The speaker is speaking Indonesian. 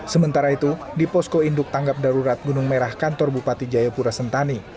sementara itu di posko induk tanggap darurat gunung merah kantor bupati jayapura sentani